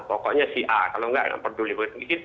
pokoknya si a kalau tidak yang peduli